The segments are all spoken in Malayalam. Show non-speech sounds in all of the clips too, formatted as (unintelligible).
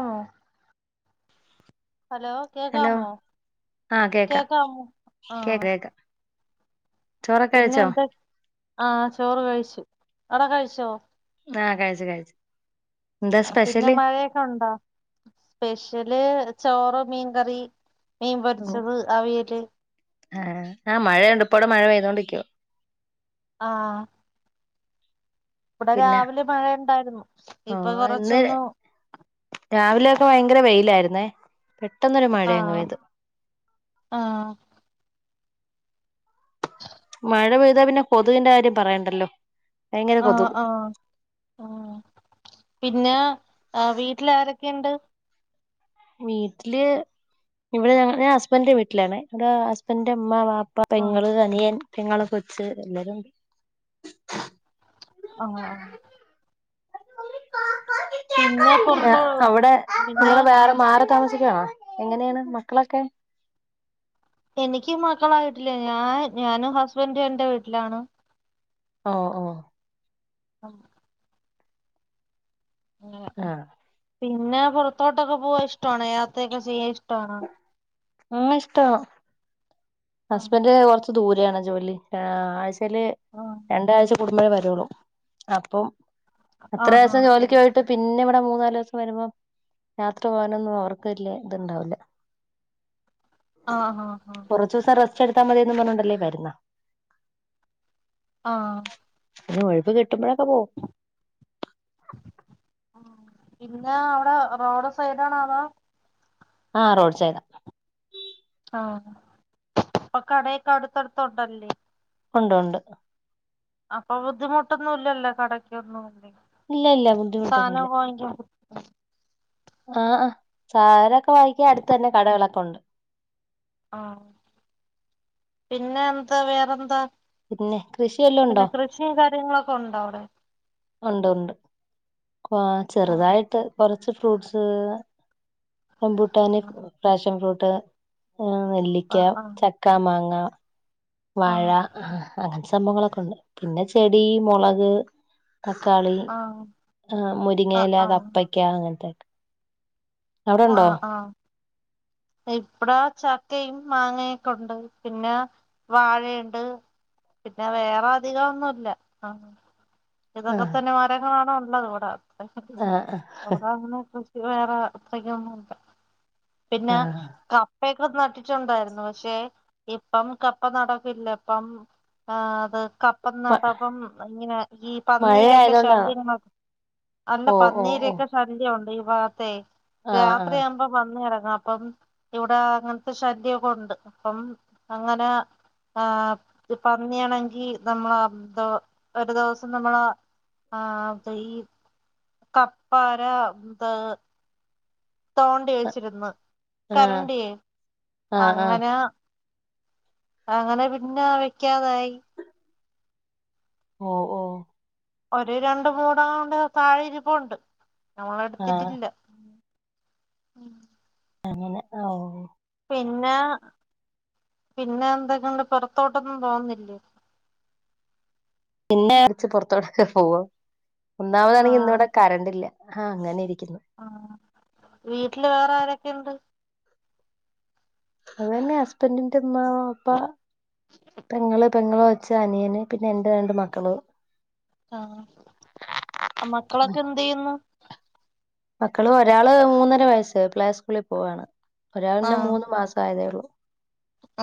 ആ ഹലോ ഹലോ കേക്കാമോ ആഹ് കേക്കാം കേക്കമോ ആ കേക്ക കേക്കാം ചോറൊക്കെ പിന്നെ കഴിച്ചോ എന്താ ആ ചോറ് കഴിച്ചു അടെ കഴിച്ചോ ആ കഴിച്ച് കഴിച്ച് അ പിന്നെ മഴയൊക്കെ ഉണ്ടോ സ്പെഷ്യ ല് ചോറ് മീൻകറി മീൻ പോരിച്ചത് അവിയല് ആ ആ മഴയുണ്ട് ഇപ്പവിടെ മഴ പെയ്തോണ്ടിക്കുവാ ആ ഇബടെ പിന്നെ രാവിലെ മഴ ഇണ്ടായിരുന്നു ഇപ്പൊ ഓഹ് കൊറച്ചൊന്നു വയങ്കര വെയിലായിര്ന്നേ. പെട്ടെന്നൊരു മഴ അങ്ങ് ആഹ് പെയ്തു. ആഹ് മഴ പെയ്താ പിന്നെ കൊതുകിന്റെ കാര്യം പറയണ്ടല്ലോ. ഭയങ്കര ആ കൊതുക് ആ ആ പിന്നെ അ വീട്ടിലാര ക്കെയിണ്ട് വീട്ടില് ഇവിടെ ഞ ഞാൻ ഹസ്ബൻന്റെ വീട്ടിലാണേ. (unintelligible) ഹസ്ബൻന്റെ ഇമ്മ വാ പ്പ ആഹ് പെങ്ങള് അനിയൻ. പെങ്ങളെ കൊച്ച് എല്ലാരും. ആ പിന്നെ പൊറത്തോ അവിടെ പിന്നെ നിങ്ങൾ വേറെ മാറി താമസിക്കാണോ എങ്ങനേണ് മക്കളൊക്കെ എനിക്ക് മക്കളായിട്ടില്ല. ഞാൻ ഞാനും ഹസ്ബൻഡും എന്റെ വീട്ടിലാണ്. ഓ ഓ ആ ആഹ് പിന്നെ പൊറത്തോട്ടൊക്കെ പോവാ ഇഷ്ട്ടാണാ യാത്രയൊക്കെ ചെയ്യാൻ ഇഷ്ട്ടാണോ? ഉം ഇഷ്ട്ട വാ ആഹ് ഹസ്ബൻഡ് കുറച്ച് ദൂര - ന്താണ് ജോലി ആഹ് ആഴ്- ല് രണ്ടാഴ്ച്ച- കൂടുമ്പോഴേ വരുള്ളു അപ്പം എത്ര ആഹ് ദിവസം ആഹ് ജോലിക്ക് പോയിട്ട് പിന്നിവിടെ മൂ മൂന്നാല് ദിവസം വരുമ്പോ യാത്ര പോകാനൊന്നും അവർക്ക് വല്ല്യ ഇത്ണ്ടാവില്ല ആ ഹാ ഹാ ദിസം റസ്റ്റെടുത്താൽ മതിയന്നും പറഞ്ഞുണ്ടല്ലേ വരുന്നെ ആ (unintelligible) (unintelligible) ആ പിന്നെ അവടെ റോഡ് സൈഡാണതോ ആ റോഡ് സൈഡ ആ അപ്പൊ കടയൊക്കെ അടുത്തടുത്തൊണ്ടല്ലേ ഒണ്ട് ഒണ്ട് അപ്പൊ ബുദ്ധിമുട്ടൊന്നും ഇല്ലല്ലേ കടക്കൊന്നും ഇല്ലേ ഇല്ല ഇല്ല സാധനം ബുദ്ധിമുട്ടൊന്നുംല്ല വാങ്ങിക്കാൻ ആ അ സാരൊക്കെ വായിക്കാ അടുത്തന്നെ കടകളൊക്കെ ഒണ്ട് ആ പിന്നെന്ത് വേറെന്താ പിന്നെ കൃഷി വല്ലോം ഉണ്ടോ പിന്നെ കൃഷിയും കാര്യങ്ങളൊക്കെ ഒണ്ടോ അവടെ ആ ണ്ട്ണ്ട് ആ ആഹ് ചെറുതായിട്ട് കൊറ- ച്ച് ഫ്രൂട്ട്സ് റംബൂട്ടാന് ആഹ് ഫ്രാഷം ഫ്രൂട്ട് ട്ട് ആ നെല്ലിക്ക ആഹ് ചക്കാ മാങ്ങ ആഹ് വാഴ ആ അങ്ങജ് സംഭങ്ങളൊക്കെണ്ട് പിന്നെ ചെടി മൊളക് തക്കാളി ആഹ് ആ ആഹ് ആഹ് മുരിങ്ങയില കപ്പക്ക അങ്ങനത്തെക്കെ ആ ആ ദ ഇപ്പടാ ചക്കയും മാങ്ങയൊക്കൊണ്ട് പിന്നെ വാഴയുണ്ട് പിന്നെ വേറെ അധികം ഒന്നുല്ല ആ ആഹ് ഇതതൊക്കെന്നെമാരൊ കാണോ ല്ലതൂട ആഹ് ആഹ് (unintelligible) വേറെ അത്രക്കൊന്നും ല്ല പിന്നെ ആഹ് അ പ്പയൊക്കെ നട്ടിട്ടുണ്ടാരുന്നു ക്ഷെ ഇപ്പം കപ്പ നടക്കില്ല പ്പം ആത് കപ്പം മ നട്ടപ്പം ഇങ്ങനെ ഈ മഴ പന്നീരൊക്കെ ആയതുകൊണ്ടാണോ ശല്യ അല്ല ഓ ഓ ഓ പന്നീരൊക്കെ ശല്യ ചണ്ടിവാത്തെ ആഹ് ആഹ് രാത്രിയാവുമ്പോ വന്ന് രാ അപ്പം ഇവിടെ അങ്ങൻത്തെ ശല്യൊക്കെ ഒണ്ട് അപ്പം അങ്ങനെ പന്നിയാണെങ്കി നമ്മൾ കെഒരു ദിവസം സം നമ്മള ആ ഈ കപ്പാരത് തോണ്ടി വെച്ചിരുന്ന് ആഹ് കരണ്ടിയേ ആഹ് ആഹ് അങ്ങനെ അങ്ങനെ പിന്നെ വെക്കാതായി ഓ ഓ ഒരു രണ്ട് മൂടെങ്ങാണ്ട് താഴെ ഇരിപ്പുണ്ട് ആഹ് നമ്മളെട്ത്തിട്ടില്ല ഉം അങ്ങനെ ഓ പിന്നാ പിന്നെ എന്തൊക്കെയണ്ട് പുറത്തോട്ടൊന്നും പോകുന്നില്ലേ എന്നെറിച്ച് പൊറത്തോടെക്കെ പോവാേ ഒന്നാമതാണെങ്കി ഇന്നിവിടെ കറണ്ടില്ല ആ അങ്ങനെ ഇരി ആ വീട്ടില് വേറെ ആരൊ എന്ത് അത് തന്നെ ഹസ്ബന്റിന്റെമ്മ വാപ്പ പെങ്ങള് പെങ്ങള കൊച്ച് അനിയന് പിന്നെ എന്റെ രണ്ട് മക്കളും ആ മക്കളൊക്കെ എന്തെയ്യുന്നു മക്കള് ഒരാള് മൂന്നര വയസ്സ് പ്ലേ സ്കൂളി പോവാണ് ആ ഒരാൾന്നെ മൂന്ന് മാസം ആയതേ ഒള്ളൂ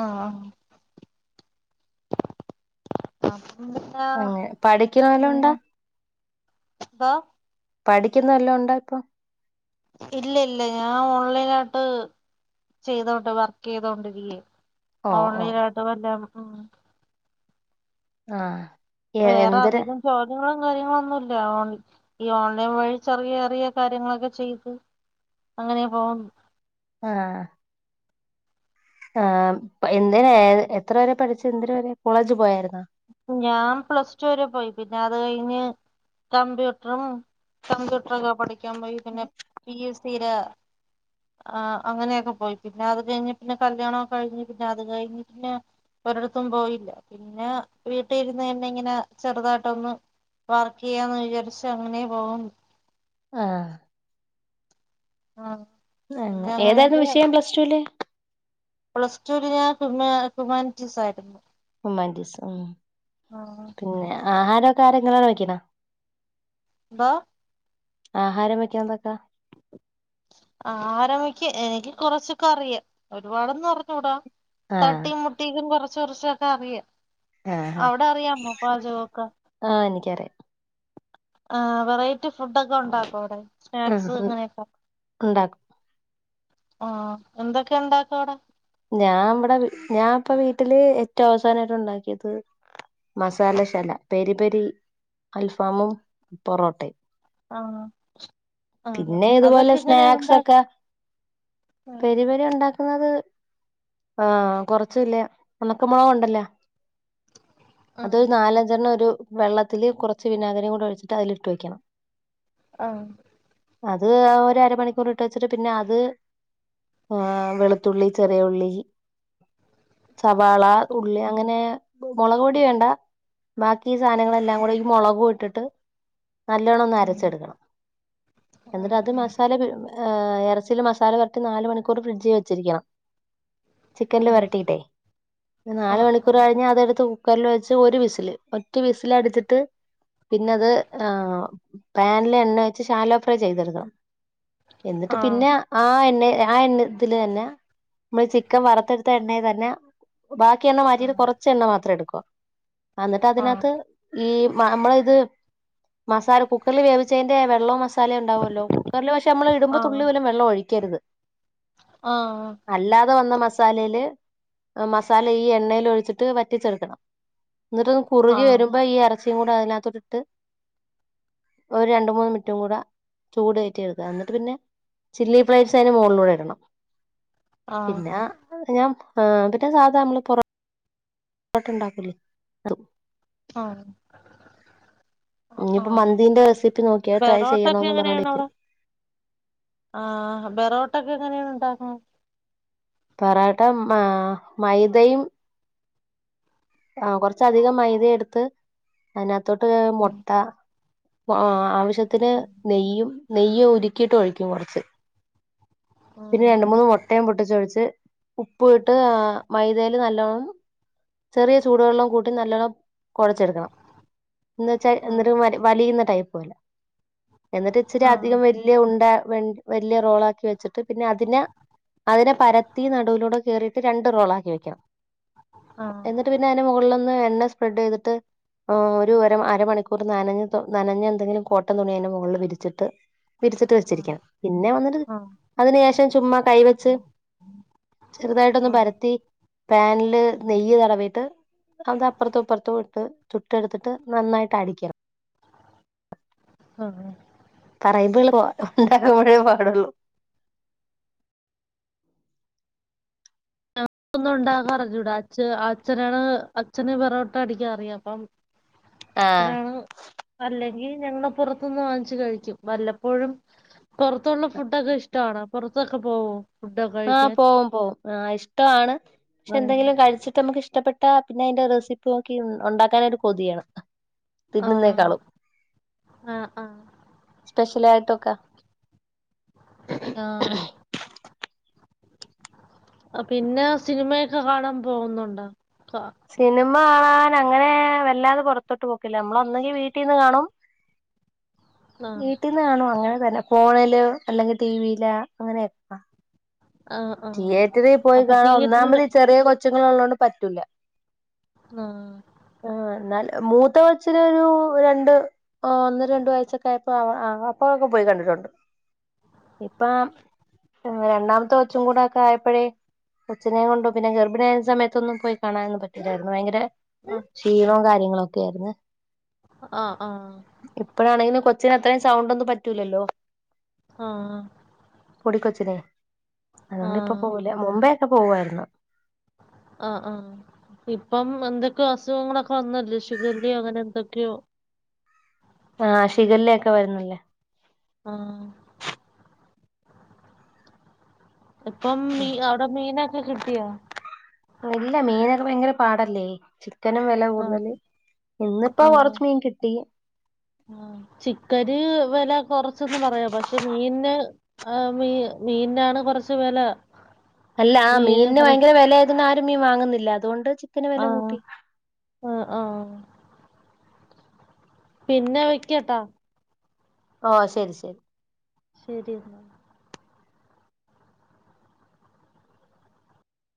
ആ ആ ന്നെന്താ അങ്ങനെ പഠിക്കുന്ന വല്ലോം ഉണ്ടാ ബ പഠിക്കുന്നതല്ലാം ഉണ്ടാേ ഇപ്പൊ ഇല്ല ഇല്ല ഞാൻ ഓൺലായ്ട്ട് ചെയ്തോട് വർക്കെയ്തോണ്ടിരിക്ക ഓ ഓ ഓൺലൈനായിട്ട് വല്ലം ആ ആ വേറെ അധികം ചോദ്യങ്ങള് കാര്യങ്ങളൊന്നുല്ല ഓൺ ഈ ഓൺലൈൻ വഴി ചെറിയ ചെറിയ കാര്യങ്ങളൊക്കെ ചെയ്ത് അങ്ങനേ പോവുന്ന് ആ ആ പ എന് എത്ര വരെ പഠിച്ചു എന്തര് വരെ കോളേജ് പോയായിരുന്നോ ഞാൻ പ്ലസ് ടു വരെ പോയി പിന്നെ അത് കഴിഞ്ഞ് കമ്പ്യൂട്ട്റും കമ്പ്യൂട്ടറൊക്കെ പഠി ഠിക്കാൻ പോയി പിന്നെ പിഎസ് സീല് ആ അങ്ങനെയൊക്കെ പോയി പിന്നെ അത് കഴിഞ്ഞ് പിന്നെ കല്യാണോം കഴിഞ്ഞ് പിന്നെ അത് കഴിഞ്ഞ് പിന്നെ ഒരിടത്തും പോയില്ല പിന്നെ വീട്ടി ഇരുന്ന് തന്നെ ഇങ്ങനെ ചെറുതായിട്ടൊന്ന് വർക്ക് ചെയ്യാന്ന് വിചാരിച്ച അങ്ങനേ പോകുന്ന് ആ ആഹ് പിന്നെ ന്നങ്ങേ ഏതായിരുന്നു വിഷയം പ്ലസ് ടുല് പ്ലസ്ടുവില് ഞാൻ ഹ്യുമാ ഹ്യൂമാനിറ്റീസ് ആയിരുന്നു ഹ്യുമാറ്റീസ് ഉം ആഹ് പിന്നെ ആഹാരൊ കാര്യങ്ങളോ (unintelligible) ബ ആഹാരം വെക്കാൻ എന്തൊക്ക ആഹാരം വെക്ക് എനിക്ക് കൊറച്ചൊക്കെ അറിയാം ഒരുപാടൊന്നും അറിഞ്ഞൂടാ ആഹ് തട്ടിയും മുട്ടീക്കും കൊറ ചൊറച്ചൊക്കെ അറിയാം ആഹ് അവിടെ അറിയാമോ പാചകൊക്കെ ആഹ് എനിക്കറിയാം ആ വെറൈറ്റി ഫുഡൊക്കെ ഒണ്ടാക്കോ അവിടെ ആഹ് സ്നാക്സ് അത് അങ്ങനെയൊക്കെ ഉണ്ടാക്കും ആഹ് എന്തൊക്കെ ഉണ്ടാക്കും അവിടെ ഞാൻ ഇവടെ വി ഞാൻ ഇപ്പ വീട്ടില് ഏറ്റവും അവസാനായിട്ട് ഒണ്ടാക്കിയത് മസാലശാല പെരി പെരി ആഹ് ആഹ് പിന്നെ ഇതുപോലെ അതൊക്കെ ഇങ്ങനെ സ്നാക്സ് ഉണ്ടാ ഒക്കെ ആഹ് പെരിപെരി ഉണ്ടാക്കുന്നത് ആഹ് കൊറച്ച് ല്ലേ ഒണക്ക മുളക് ഉണ്ടല്ലോ ആഹ് അതൊരു നാലഞ്ചെണ്ണം ഒരു വെള്ളത്തില് കുറച്ച് വിനാഗിരിയും കൂടെ ഒഴിച്ചിട്ട് അതിലിട്ട് വെക്കണം ആഹ് അത് ആ ഒരരമണിക്കൂറ് ഇട്ട് വെച്ചിട്ട് പിന്നെ അത് ആ വെളുത്തുള്ളി ചെറിയ ഉള്ളി സവാള ഉള്ളി അങ്ങനെ മുളക്പൊടി വേണ്ട ബാക്കി ആഹ് സാനങ്ങളെല്ലാം കൂടെ ഈ മൊളക് ഇട്ടിട്ട് നല്ലവണ്ണം ഒന്ന് അരച്ചെടുക്കണം എന്നിട്ട് ആഹ് അത് ആഹ് മസാല ഏ എറച്ചില് മസാല പെരട്ടി നാല് മണിക്കൂറ് ഫ്രിഡ്ജി വച്ചിരിക്കണം ചിക്കനില് വരട്ടിട്ടേ പിന്നെ നാല് മണിക്കൂറ് കഴിഞ്ഞാ അതെടുത്ത് കുക്കറില് വെച്ച് ഒരു വിസില് ഒറ്റ വിസലടിച്ചിട്ട് പിന്നെ അത് ആ പാനിലെ എണ്ണ ഷാലോഫ്രൈ ചെയ്തെടുക്കണം എന്നിട്ട് പിന്നെ ആ എണ്ണെ ആ എണ്ണതില് തന്നെ നമ്മള് ചിക്കൻ വറുത്തെടുത്ത എണ്ണെ തന്നെ ബാക്കി എണ്ണ മാറ്റിയിട്ട് കുറച്ച് എണ്ണ മാത്രം എട്- ക്കോ അന്നിട്ട് അതിനത്ത് ഈ നമ്മള് ഇത് മസാല കുക്കറിൽ വേവിച്ചേന്റെ വെ ള്ളോ മ സാല ഒണ്ടാവുല്ലോ കുക്കറിൽ പഷേ നമ്മള് ഇടുമ്പ തുള്ളി പോലും വെള്ളം ഒഴിക്കരുത് അല്ലാതെ വന്ന മസ് മസാലയില് മസാല ഈ എണ്ണയില് ഒഴിച്ചിട്ട് വറ്റിച്ചെടുക്കണം എന്നിട്ടൊന്ന് കുറുകി ആഹ് വരുമ്പോ ഈ അര ച്ചീകൂടെ അയിനാത്തോട്ടിട്ട് ഒരു രണ്ട് മൂന്ന് മി നിറ്റും കൂട ചൂട് കേറ്റി എടുക്ക എന്നട്ട് പിന്നെ ചില്ലി ഫ്ലൈറ്റ്സ് അതിന് മോളിലൂടെ ഇടണം ആഹ് പിന്നെ ഞാൻ ആഹ് പിന്നെ സാധാ നമ്മള് പൊറോ ട്ടണ്ടാക്കൂലേ അതും ആഹ് ഇനിയിപ്പോ ആഹ് മന്തിന്റെ റെസിപ്പി നോക്കിയാൽ ട്രൈ ബെറോട്ട ഒക്കെ ചെയ്യണോന്ന് എങ്ങനെയാണ് പറഞ്ഞോണ്ടിരിക്കും അവിടെ ആഹ് ബെറോട്ടൊക്കെ എങ്ങനെയാണ് ഉണ്ടാക്കണേ പറാട്ട ആഹ് മൈദയും ആഹ് കൊറച്ചധികം മൈദ എടുത്ത് അതിനാ ത്തോട്ട് മൊട്ട ആഹ് ആവിശ് ശ്യത്തിന് നെയ്യും നെയ്യ് ഉരുക്കിയിട്ട് ഒഴിക്കും കൊറച്ച് പിന്നെ ആഹ് രണ്ട് മൂന്ന് മുട്ടയും പൊട്ടിച്ചൊഴിച്ച് ഉപ്പു ഇട്ട് മൈദയില് നല്ലോണം ചെറിയ ചൂടുവെള്ളം കൂട്ടി നല്ലോണം കൊഴച്ചെടുക്കണം. ന്ന്ച്ചാ എന്നിട്ട് വല് വലിയുന്ന ടൈപ്പ് പോലെ എന്നിട്ട് ഇച്ചിരി ആഹ് അധികം വല്യ ഉണ്ട വെ വെല്ല്യ റോളാക്കി വെച്ചിട് ട്ട് പിന്നെ അതിനെ അതിനെ പരത്തി നടുവിലൂടെ കേറിട്ട് രണ്ട് റോളാക്കി വെക്കാം ആഹ് എന്നിട്ട് പിന്നെ അന് മുകളിലൊന്ന് എണ്ണ സ്പ്രെഡെയ്ത്ട്ട് ഓരു ഒര അരമണിക്കൂർ നനഞ് തൊ നനഞ്ഞെന്തെങ്കിലും കോട്ടം തുണി അയ്ന്റെ മൊകളില് വിരിച്ചിട്ട് വിരിച്ചിട്ട് വെച്ചിരിക്കണം. പിന്നെ വന്നിട്ട് ആഹ് അതിന് ശേഷം ചുമ്മാ കൈ വെച്ച് ചെറുതായിട്ടൊന്ന് പരത്തി പാനില് നെയ്യ് തടവിട്ട് അത് അപ്പർത്തും ഇപ്പർത്തും ഇട്ട് ചുട്ടെടുതിട്ട് നന്നായിട്ടടിക്കാം ആഹ് ആഹ് പറയിമ്പ (unintelligible) ഞങ്ങക്ക് ഒന്നും ഉണ്ടാകാൻ അറിഞ്ഞൂടാ അച്ഛ അച്ഛനാണ് അച്ഛന് പെറോട്ട അടിക്കാൻ അറിയാം അപ്പം- ആ എത്രാണ് അല്ലേ ഞങ്ങള് പുറത്തൊന്ന് വാങ്ങിച്ചു കഴിക്കും വല്ലപ്പോഴും പൊറത്തുള്ള ഫുഡൊക്കെ ഇഷ്ടമാണ് പുറത്തൊക്കെ പോകോ ആഹ് പോവും പോവും ആഹ് ഇഷ്ടമാണ് പക്ഷെ ആഹ് എന്തെങ്കിലും കഴിച്ചിട്ട് നമുക്ക് ഇഷ്ടപ്പെട്ട- പിന്നെ അതിന്റെ റെസിപ്പി നോക്കി ഉണ്ടാക്കാനായിട്ട് കൊതിയാണ് ആഹ തിന്നുന്നേക്കാളും ആഹ ആ സ്പെഷ്യൽ ആയിട്ടൊക്കെ ആഹ് പിന്നെ സിനിമയൊക്കെ കാണാൻ പോകുന്നുണ്ട് സിനിമ.. അങ്ങനെ വല്ലാതെ പുറത്തോട്ട് പോക്കില്ല നമ്മള് ഒന്നുകി വീട്ടിന്ന് കാണും ആഹ് വീട്ടിന്ന് കാണും അങ്ങനെ തന്നെ ഫോണില് അല്ലെങ്കി ടിവിയില് അങ്ങനെയൊക്കാ ആഹ് ആഹ് തിയേറ്ററി പോയി അപ്പൊ കാണാം തിയേറ്ററില് ഒന്നാമതി ചെറിയ കൊ ച്ച് ങ്ങളള്ളോണ്ട് പറ്റൂല്ല ആഹ് ആന്നാല് മൂത്ത ഒച്ചിന് ഒരു രണ്ട് ഓ ഒന്നര രണ്ട് വയസ്സൊക്കെ ആയപ്പോ അ ആ അപ്പഴൊക്കെ പോയി കണ്ടിട്ടുണ്ട്. ഇപ്പ രണ്ടാമത്തൊ ച്ചും കൂടെ അക്കെ ആയപ്പഴേ കൊച്ചിനെ കൊണ്ടും പിന്നെ ഗർഭിണിയായ സമയത്തൊന്നും പോയി കാണാനന്നും പറ്റുല്ലായിരുന്നു ഭയങ്കര ആഹ് ക്ഷീണവും കാര്യങ്ങളൊക് ക്കെ ആര്ന്ന് ആഹ് ആഹ് ഇപ്പഴാണേല് കൊ ച്ച്ന് അത്രെയ്സാഉമ്പൊന്നും പറ്റൂലല്ലോ ആഹ് പൊടിക്കൊച്ചിനേ അതുകൊണ്ട് ഇപ്പൊ ആഹ് പോവൂല മുമ്പേ ക്കെ പോവുആയിര്ന്നു ആ ആ ഇപ്പം എന്തൊക്കോ അസുഖങ്ങളൊക്കെ വന്നല്ലേ ശിഖല്ലയോ അങ്ങനെ എന്തൊക്കെയോ ആ ശിഖല്ലയോക്കെ വരുന്നല്ലേ ആഹ് ഇപ്പം മീ അവ്ടെ മീനൊക്കെ കിട്ടിയോ? ഇല്ല മീനൊക്കെ ഭയങ്കര പാടല്ലേ ക്കനും വെല ആഹ് കൂടുതല് ഇന്നിപ്പോ ആഹ് കൊറച്ച് മീൻ കിട്ടി ആഹ് ചിക്കന് വെല കൊറച്ചന്ന് പറയാം പക്ഷെ മീൻന് ഏഹ് മീ മീനാണ് കൊറച്ച് വെല. അല്ല ആ മീന് മീൻ ന് കൊറ വയങ്കര വെല ആയതിന്ന് ആരും മീൻ വാങ്ങുന്നില്ല അതുകൊണ്ട് ചിക്കന് വെല ആഹ് കൂട്ടി. ആഹ് ആഹ് പിന്നെ വെക്കട്ടാ ഓ ശരി ശരി ശരി എന്നാ